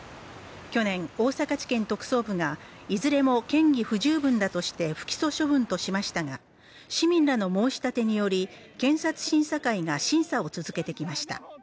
去年、大阪地検特捜部がいずれも嫌疑不十分だとして不起訴処分としましたが、市民らの申し立てにより検察審査会が審査を続けてきました。